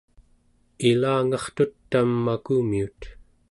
ilangartut-am makumiut